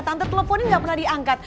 tante teleponin gak pernah diangkat